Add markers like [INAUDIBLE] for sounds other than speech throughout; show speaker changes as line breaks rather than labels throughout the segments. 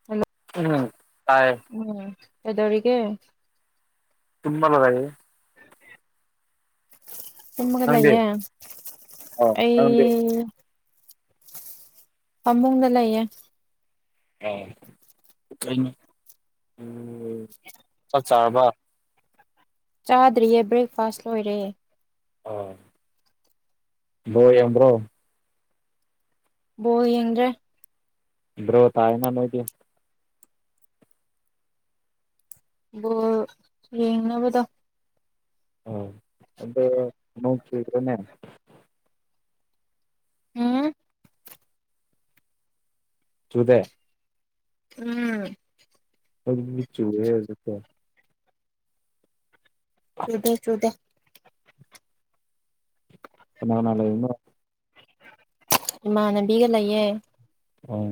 [UNINTELLIGIBLE]
ꯎꯝ ꯇꯥꯏ
ꯎꯝ ꯀꯦꯗꯧꯔꯤꯒꯦ
ꯇꯨꯝꯃꯒ ꯂꯩ
ꯇꯨꯝꯃꯒ
ꯅꯪꯗꯤ
ꯂꯩꯌꯦ
ꯑꯣ ꯅꯪꯗꯤ
ꯑꯩ ꯄꯝꯃꯨꯡꯗ ꯂꯩꯌꯦ
ꯑ ꯀꯩꯅꯣ ꯎ ꯆꯥꯛ ꯆꯥꯔꯕ
ꯆꯥꯗ꯭ꯔꯤꯌꯦ ꯕ꯭ꯔꯦꯛꯐꯥꯁ ꯂꯣꯏꯔꯦ
ꯑꯣ ꯕꯣ ꯌꯦꯡꯕ꯭ꯔꯣ
ꯕꯣꯜ ꯌꯦꯡꯗ꯭ꯔꯦ
ꯗ꯭ꯔꯣ ꯇꯥꯏꯅ ꯅꯣꯏꯗꯤ
ꯕꯣꯜ ꯌꯦꯡꯅꯕꯗꯣ
ꯑ ꯑꯗꯥ ꯅꯣꯡ ꯆꯨꯕ꯭ꯔꯅꯦ
ꯎꯝ
ꯆꯨꯗꯦ
ꯎꯝ
ꯈꯣꯏꯒꯤꯗꯤ ꯆꯨꯋꯦ ꯍꯥꯖꯤꯛꯇ
ꯆꯨꯗꯦ ꯆꯨꯗꯦ
ꯀꯅꯥ ꯅ ꯂꯩꯅꯣ
ꯏꯃꯥꯟꯅꯕꯤꯒ ꯂꯩꯌꯦ
ꯑꯥ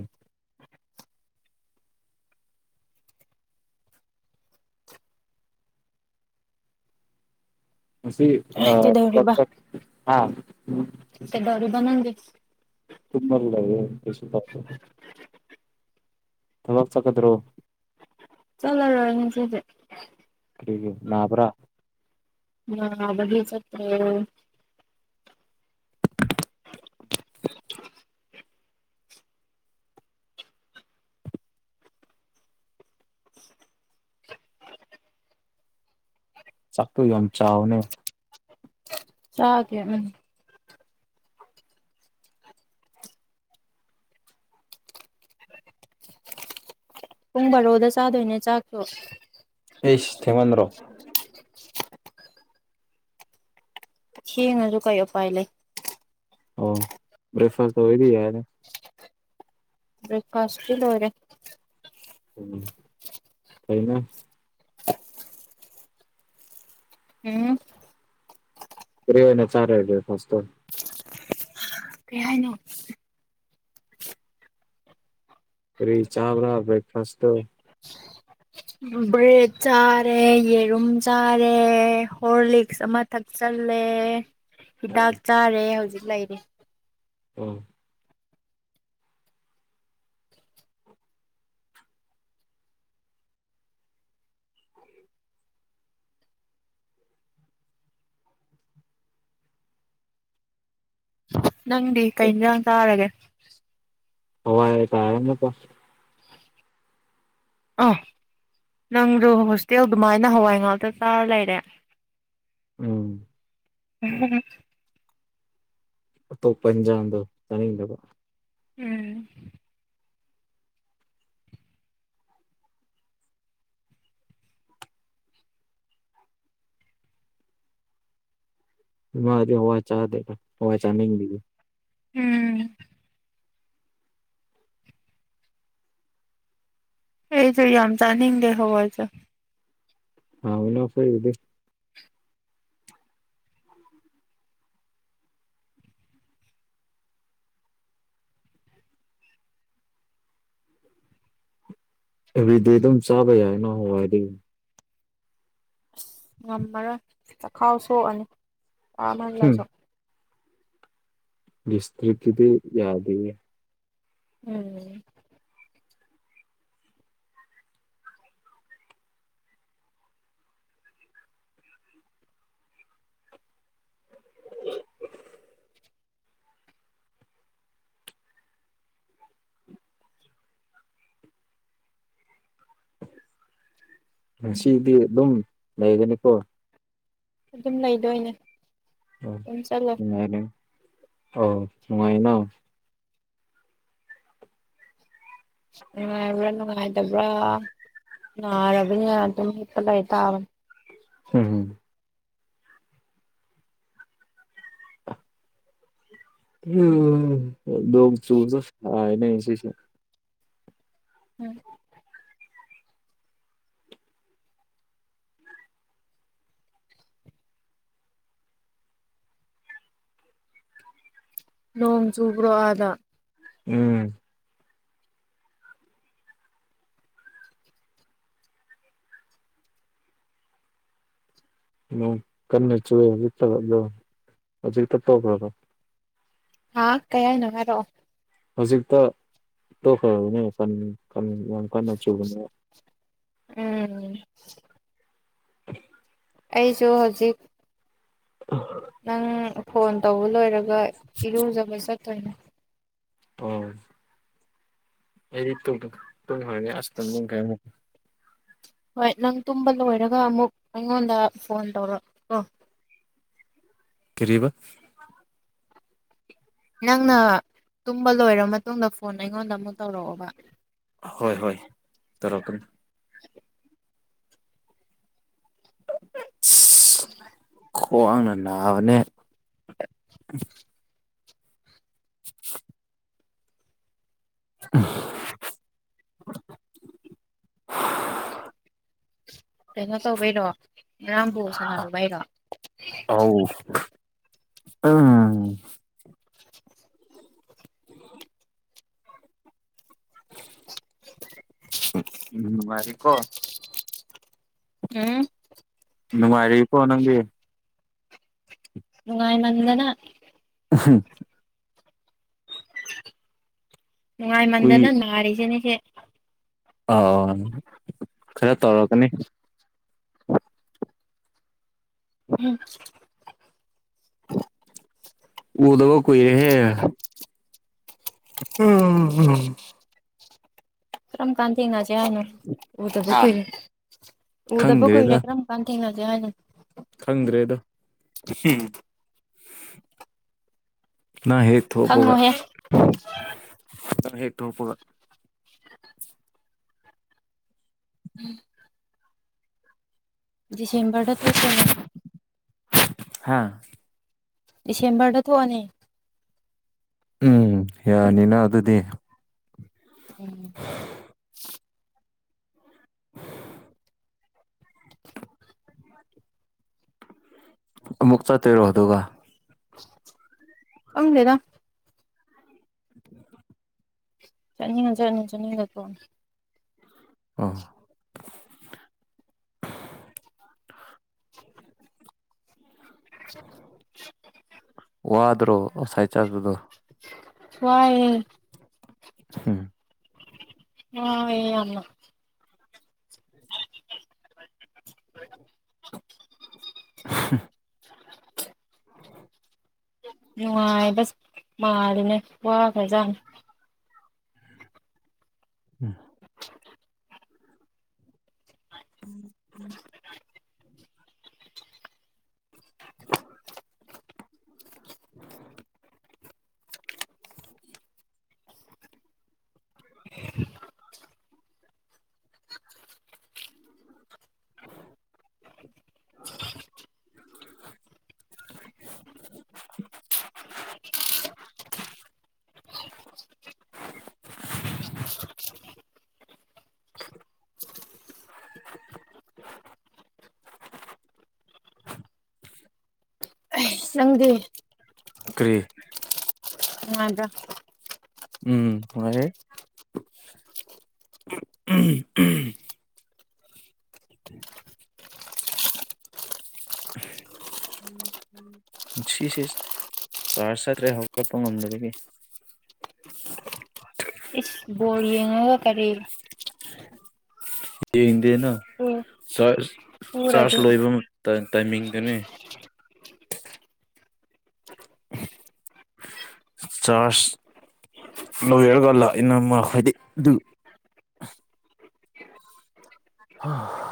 ꯉꯁꯤ
ꯀꯩꯗꯧꯔꯤꯕ
ꯑꯥ [UNINTELLIGIBLE] ꯍꯥ
ꯀꯩꯗꯧꯔꯤꯕꯥ ꯅꯪꯗꯤ
ꯇꯨꯝꯃ ꯂꯩꯌꯦ ꯀꯩꯁꯨ ꯇꯧꯗꯦ ꯊꯕꯛ ꯆꯠꯀꯗ꯭ꯔꯣ
ꯆꯠꯂꯔꯣꯏ ꯉꯁꯤꯗꯤ
ꯀꯔꯤꯒꯤ ꯅꯥꯕ꯭ꯔꯥ
ꯅꯥꯕꯒꯤ ꯆꯠꯇ꯭ꯔꯦ
ꯆꯥꯛꯇꯨ ꯌꯥꯝ ꯆꯥꯎꯅꯦ
ꯆꯥꯒꯦ ꯎꯝ ꯄꯨꯡ ꯕꯥꯔꯣꯗ ꯆꯥꯗꯣꯏꯅꯦ ꯆꯥꯛꯁꯣ
ꯑꯩꯁ ꯊꯦꯡꯃꯟꯗ꯭ꯔꯣ
ꯊꯦꯡꯉꯖꯨ ꯀꯩ ꯎꯄꯥꯏ ꯂꯩ
ꯑꯣ ꯕ꯭ꯔꯦꯛꯐꯥꯁ ꯑꯣꯏꯗꯤ ꯌꯥꯏꯗ
ꯕ꯭ꯔꯦꯛꯐꯥꯁ ꯇꯤ ꯂꯣꯏꯔꯦ
ꯎꯝ ꯐꯩꯅ
ꯎꯝ
ꯀ꯭ꯔꯤ ꯑꯣꯏꯅꯥ ꯆꯔꯦ ꯕ꯭ꯔꯦꯛꯐꯥꯥꯁꯇꯣ
ꯀ꯭ꯔꯤ ꯍꯥꯏꯅꯣ
ꯀꯔꯤ ꯆꯥꯕ꯭ꯔ ꯕ꯭ꯔꯦꯛꯐꯥꯁꯇꯣ
ꯕ꯭ꯔꯦꯠ ꯆꯥꯔꯦ ꯌꯦꯔꯨꯝ ꯆꯥꯔꯦ ꯍꯣꯔꯂꯤꯛꯁ ꯑꯃꯥ ꯊꯛꯆꯜꯂꯦ ꯍꯤꯗꯥꯛ ꯆꯥꯔꯦ ꯍꯧꯖꯤꯛ ꯂꯩꯔꯤ
ꯎꯝ
ꯅꯪꯗꯤ ꯀꯩ ꯏꯟꯖꯥꯡ ꯆꯥꯔꯒꯦ
ꯍꯋꯥ ꯌꯥ ꯇꯔꯦ ꯅꯤꯕ
ꯑꯥ ꯅꯪꯁꯨꯣ ꯍꯣꯁꯇꯦꯜꯗꯨꯃꯥꯏꯅ ꯍꯋꯥꯏ ꯉꯥꯛꯇ ꯆꯥꯔ ꯂꯩꯔꯦ
ꯎꯝ
ꯎ
ꯑꯇꯣꯞꯄ ꯏꯟꯖꯥꯡꯗꯣ ꯆꯥꯅꯤꯡꯗꯕ
ꯎꯝ
ꯏꯃꯥꯒꯗꯤ ꯍꯋꯥꯏ ꯆꯥꯗꯕ ꯍꯋꯥꯏ ꯆꯥꯅꯗꯤꯕ
ꯎꯝ ꯑꯩꯁꯨ ꯌꯥꯝ ꯆꯥꯅꯤꯡꯗꯦ ꯍꯋꯥꯁꯤ
ꯍꯅ ꯑꯣꯐ ꯏꯗꯤ [INAUDIBLE] ꯑꯦꯕ꯭ꯔꯤꯗꯦ ꯑꯗꯨꯝ ꯆꯥꯕ ꯌꯥꯏꯀꯣ ꯍꯋꯥꯏꯗꯤ
ꯉꯝꯃꯔꯣꯏ ꯆꯈꯥꯎ ꯁꯣꯛꯑꯅꯤ
ꯍꯨꯝ
ꯆꯥꯃꯜꯂꯁꯨ
ꯁꯇꯔꯤ ꯀꯗꯤ ꯌꯥꯗ
ꯎꯝ
[INAUDIBLE] ꯉꯁꯤꯗꯤ ꯑꯗꯨꯝ ꯂꯩꯒꯅꯤꯀꯣ
ꯑꯗꯨꯝ ꯂꯩꯗꯣꯏꯅꯦ
ꯑꯣ
ꯑꯗꯨꯝ ꯆꯠꯂꯣ
ꯅꯨꯡꯉꯥꯏꯅ ꯑ ꯅꯨꯡꯉꯥꯏꯅ
ꯅꯨꯡꯉꯥꯏꯕ꯭ꯔꯥ ꯅꯨꯡꯉꯥꯏꯇꯕ꯭ꯔꯥ ꯅꯥꯔꯕꯅꯤꯅ ꯑꯗꯨꯝ ꯍꯦꯛꯄ ꯂꯩ ꯇꯥꯕꯅꯦ
ꯍꯝ ꯍꯨꯝ ꯎꯝ ꯗ ꯆ ꯍꯥꯏꯅꯩꯅ
ꯎꯝ ꯅꯣꯡ ꯆꯨꯕ꯭ꯔꯣ ꯑꯗ
ꯎꯝ ꯎ ꯀꯟꯅ ꯆꯨ ꯏꯠꯇ ꯍꯧꯖꯤꯛ ꯇꯞ ꯇ꯭ꯔꯔ
ꯍꯥꯥ ꯀꯌꯥꯅꯅꯨꯡ ꯍꯥꯏꯔꯛꯣ
ꯍꯧꯖꯤꯛꯇ ꯇꯣꯛꯈ꯭ꯔꯕꯅꯦ ꯌꯥꯝ ꯀꯟꯅ ꯆꯨꯕꯅꯦ
ꯎꯝ
[INAUDIBLE]
ꯑꯩꯁꯨ ꯍꯧꯖꯤꯛ
ꯑꯣꯣꯏ [INAUDIBLE]
ꯅꯪ ꯐꯣꯟ ꯇꯧꯕ ꯂꯣꯏꯔꯒ ꯏꯔꯨꯖꯕ ꯆꯠꯇꯣꯏꯅꯦ
ꯑꯣ ꯑꯩꯗꯤ ꯇꯨꯡ ꯇꯨꯡ ꯍꯔꯔꯤ ꯑ ꯅ ꯀꯥꯏ
ꯍꯣꯏ ꯅꯪ ꯇꯨꯝꯕ ꯂꯣꯏꯔꯒ ꯑꯃꯨꯛ ꯑꯩꯉꯣꯟꯗ ꯐꯣꯟ ꯇꯧꯔꯛ
ꯀꯔꯤꯕ
ꯅꯪꯅ ꯇꯨꯝꯕ ꯂꯣꯏꯔꯕ ꯃꯇꯨꯡꯗ ꯐꯣꯟ ꯑꯩꯉꯣꯟꯗ ꯑꯃꯨꯛ ꯇꯧꯔꯛꯑꯣꯕ
ꯍꯣꯏ ꯍꯣꯏ ꯇꯧꯔꯛꯀꯅꯤ
[INAUDIBLE]
ꯈꯋꯥ꯭ꯡꯅ ꯅꯥꯕꯅꯦ [INAUDIBLE] ꯎ [INAUDIBLE]
ꯀꯩꯅꯣ ꯇꯧꯕꯩꯔꯣ ꯉꯔꯥꯡ ꯕꯣꯜ ꯁꯥꯟꯅꯔꯨꯕꯩꯔꯣ
[UNINTELLIGIBLE] ꯎꯝ [INAUDIBLE] [INAUDIBLE]
[INAUDIBLE]
ꯎꯝ ꯅꯨꯡꯉꯥꯏꯔꯦ ꯀꯣ
ꯎꯝ
ꯅꯨꯡꯉꯥꯏꯔꯦꯀꯣ ꯅꯪꯗꯤ
ꯅꯨꯡꯉꯥꯏ ꯃꯟꯗꯅ
[UNINTELLIGIBLE] ꯀꯨꯏ
ꯅꯨꯡꯉꯥꯏꯃꯟꯗꯅ ꯅꯥꯔꯤꯁꯤꯅꯦ ꯁꯦ
ꯑꯥꯎ ꯈꯔ ꯇꯧꯔꯛꯀꯅꯤ
ꯎꯝ
ꯎꯗꯕ ꯀꯨꯏꯔꯦꯍꯦ ꯎꯝ ꯎꯝ
ꯀꯔꯝ ꯀꯥꯟ ꯊꯦꯡꯅꯁꯦ ꯍꯥꯏꯅꯣ ꯎꯗꯕ
ꯍꯥ
ꯀꯨꯏꯔꯦ ꯎꯗꯕ ꯀꯨꯏꯔꯦ
ꯈꯪꯗ꯭ꯔꯦꯗ
ꯀꯔꯝ ꯀꯥꯟ ꯊꯦꯡꯉꯖꯦ ꯍꯥꯏꯅꯣ
ꯈꯪꯗ꯭ꯔꯦꯗ [UNINTELLIGIBLE] ꯅꯪ ꯍꯦꯛ ꯊꯣꯛꯄꯒ
ꯈꯪꯉꯣꯍꯦ
ꯈꯤꯇꯪ ꯍꯦꯛ ꯊꯣꯛꯄꯒ
ꯗꯤꯁꯦꯝꯕꯔꯗ ꯊꯣꯛꯇꯣꯏꯅꯦ
ꯍꯥꯥ
ꯗꯤꯁꯦꯝꯕꯔꯗ ꯊꯣꯛꯑꯅꯤ
ꯎꯝ ꯌꯥꯅꯤꯅ ꯑꯗꯨꯗꯤ
ꯎꯝ
[INAUDIBLE] ꯑꯃꯨꯛ ꯆꯠꯇꯣꯏꯔꯣ ꯑꯗꯨꯒ
ꯈꯪꯗꯦꯗ
[INAUDIBLE]
ꯆꯠꯅꯤꯡꯉ ꯆꯠꯅꯤ ꯆꯠꯅꯤꯡꯇ꯭ꯔ ꯇꯣꯛꯅꯤ
ꯑꯣ
[INAUDIBLE]
ꯋꯥꯗ꯭ꯔꯣ ꯉꯁꯥꯏ ꯆꯠꯄꯗꯣ
ꯋꯥꯏꯌꯦ
ꯍꯝ
ꯋꯥꯏꯌꯦ ꯌꯥꯝꯅ
[INAUDIBLE]
[INAUDIBLE] ꯅꯨꯡꯉꯥꯏꯕꯁ ꯃꯥꯜꯂꯤꯅꯦ ꯋꯥꯈ꯭ꯔꯖꯥꯠꯅꯤ
ꯎꯝ
[INAUDIBLE] [INAUDIBLE]
[INAUDIBLE]
[INAUDIBLE] [INAUDIBLE]
[INAUDIBLE]
ꯅꯪꯗꯤ
ꯀ꯭ꯔꯤ
ꯅꯨꯉꯥꯏꯕ꯭ꯔꯥ
ꯎꯝ ꯅꯨꯉꯥꯏꯔꯤ [INAUDIBLE] ꯄꯨꯟꯁꯤꯁꯦ ꯆꯥꯔꯖ ꯆꯠꯇ꯭ꯔꯦ ꯍꯧꯒꯠꯄ ꯉꯝꯗꯕꯒꯤ
ꯏꯁ ꯕꯣꯜ ꯌꯦꯡꯉꯒ ꯀꯔꯤ
ꯌꯦꯡꯗꯦꯅ
ꯎ
ꯆꯔꯖ ꯆꯔꯖ
ꯎꯔꯗꯤ
ꯂꯣꯏꯕ ꯇꯥꯏ ꯇꯥꯏꯃꯤꯡꯗꯨꯅꯦ
[INAUDIBLE]
ꯆꯥꯔꯖ ꯂꯣꯏꯔꯒ ꯂꯥꯛꯏꯅ ꯃꯥ ꯍꯥꯏꯗꯤ ꯑꯗꯨ ꯍꯥ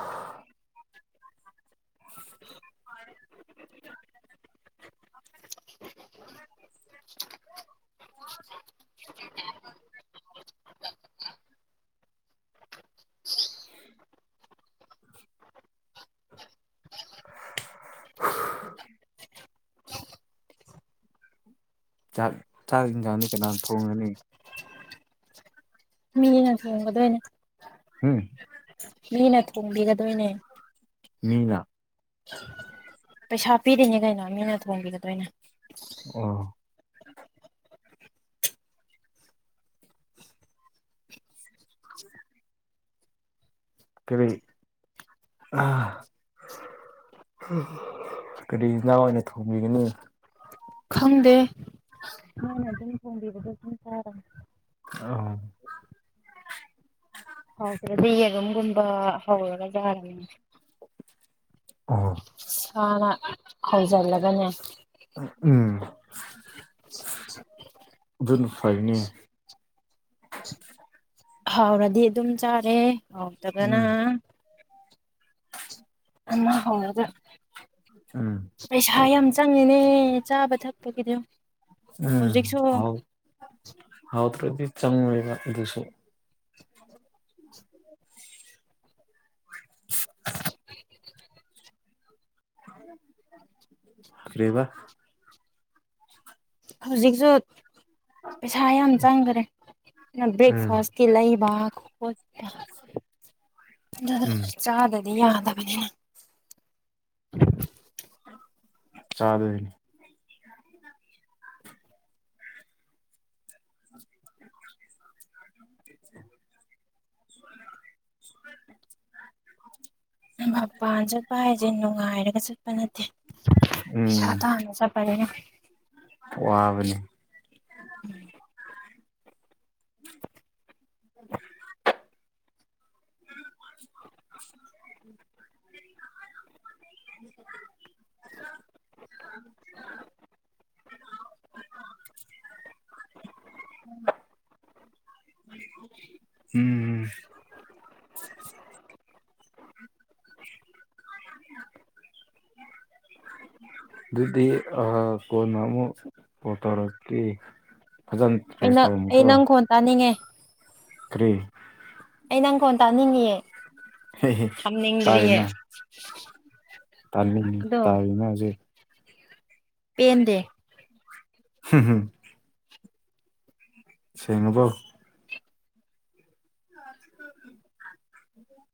ꯍꯨ ꯆꯥꯛ ꯆꯥꯛ ꯌꯦꯟꯁꯥꯡꯗꯤ ꯀꯅꯥ ꯊꯣꯡꯒꯅꯤ
ꯑꯩꯅ ꯊꯣꯡꯒꯗꯣꯏꯅꯦ
ꯎꯝ
ꯃꯤꯅ ꯊꯣꯡꯕꯤꯒꯗꯣꯏꯅꯦ
ꯃꯤꯅꯥ
ꯄꯩꯁꯥ ꯄꯤꯔꯤꯅꯦ ꯀꯩꯅꯣ ꯃꯤꯅ ꯊꯣꯡꯕꯤꯒꯗꯣꯏꯅꯦ
ꯑꯣ [INAUDIBLE] ꯀꯔꯤ ꯑꯥ ꯀꯔꯤ ꯏꯟꯁꯥꯡ ꯑꯣꯏꯅ ꯊꯣꯡꯕꯤꯒꯅꯤ
ꯈꯪꯗꯦ ꯐꯣꯡꯕꯤꯕꯗꯣ ꯁꯨꯝ ꯆꯥꯏ
ꯑꯥꯎ
ꯍꯥꯎꯇꯔꯗꯤ ꯌꯦꯔꯨꯝꯒꯨꯝꯕ ꯍꯧꯔꯒ ꯆꯥꯔꯅꯤ
ꯑꯣ
ꯏꯁꯥꯅ ꯍꯣꯏꯖꯤꯜꯂꯒꯅꯦ
ꯎꯝ ꯑꯗꯨꯅ ꯐꯩꯅꯦ
ꯍꯥꯎꯔꯗꯤ ꯑꯗꯨꯝ ꯆꯥꯔꯦ ꯍꯥꯎꯇꯔꯒꯅ
ꯎꯝ
ꯑꯃ ꯍꯧꯔꯒ
ꯎꯝ
ꯄꯩꯁꯥ ꯌꯥꯝ ꯆꯪꯉꯦꯅꯦ ꯆꯥꯕ ꯊꯛꯄꯒꯤꯗꯨ ꯍꯧꯖꯤꯛꯁꯨ
ꯍꯥꯎꯇꯔꯗꯤ ꯆꯪꯉꯣꯏꯕ ꯑꯗꯨꯁꯨ [INAUDIBLE] [INAUDIBLE] ꯍꯔꯤꯕ
ꯍꯧꯖꯤꯛꯁꯨ ꯄꯩꯁꯥ ꯌꯥꯝ ꯆꯪꯒꯔꯦ
ꯎꯝ
ꯕ꯭ꯔꯦꯛꯐꯥꯁꯀꯤ ꯂꯩꯕ ꯈꯣꯠꯄ ꯑꯗꯨ
ꯎꯝ
ꯆꯥꯗꯕꯗꯤ ꯌꯥꯗꯕꯅꯤꯅ
ꯆꯥꯗꯣꯏꯅꯤ [INAUDIBLE] [UNINTELLIGIBLE]
ꯃꯄꯥꯟ ꯆꯠꯄ ꯍꯥꯏꯁꯦ ꯅꯨꯡꯉꯥꯏꯔꯒ ꯆꯠꯄ ꯅꯠꯇꯦ ꯄꯩꯁꯥ
ꯎꯝ
ꯇꯥꯟꯕ ꯆꯠꯄ [UNINTELLIGIBLE]
ꯋꯥꯕꯅꯤ
[INAUDIBLE]
[INAUDIBLE]
[INAUDIBLE]
[INAUDIBLE] [INAUDIBLE] ꯎꯝ
[INAUDIBLE]
ꯑꯗꯨꯗꯤ ꯑ ꯀꯣꯟꯅ ꯑꯃꯨꯛ ꯀꯣꯜ ꯇꯧꯔꯛꯀꯦ ꯐꯖꯟ
ꯑꯩ
ꯗꯔ꯭ꯦꯁ
ꯅꯪ ꯑꯩ
ꯇꯧꯔꯝꯃꯨꯀꯣ
ꯅꯪ ꯈꯣꯟ ꯇꯥꯅꯤꯡꯉꯦ
ꯇ꯭ꯔꯦ
ꯑꯩ ꯅꯪ ꯀꯣꯟ ꯇꯥꯅꯤꯡꯉꯑ
ꯇꯔꯅ ꯇ
ꯑꯗꯣ
ꯇꯔꯅꯖꯤ
ꯄꯦꯟꯗꯦ
ꯍꯨꯝ ꯍꯨꯝ ꯁꯦꯡꯉꯕꯣ [UNINTELLIGIBLE]